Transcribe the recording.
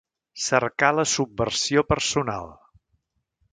Cercar la subversió personal.